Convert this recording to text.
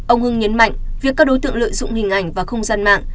ông hưng nhấn mạnh việc các đối tượng lợi dụng hình ảnh và không gian mạng